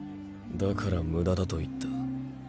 だから無駄だと言った。